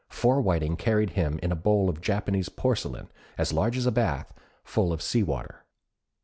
Four whiting carried him in a bowl of Japanese porcelain, as large as a bath, full of sea water.